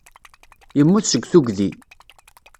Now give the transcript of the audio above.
Yemmut seg tuggdi.